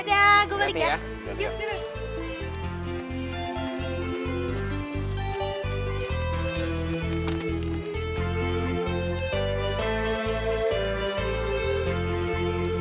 dadah gue balik ya